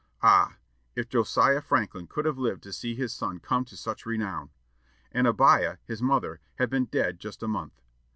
Ah! if Josiah Franklin could have lived to see his son come to such renown! And Abiah, his mother, had been dead just a month!